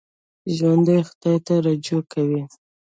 ژوندي خدای ته رجوع کوي